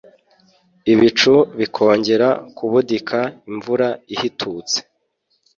ibicu bikongera kubudika imvura ihitutse